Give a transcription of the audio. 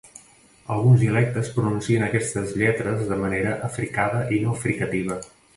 Alguns dialectes pronuncien aquestes lletres de manera africada i no fricativa.